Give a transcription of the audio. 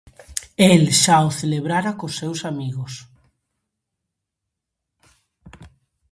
El xa o celebrara cos seus amigos.